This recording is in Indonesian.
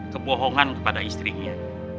kebohongan kepada istrinya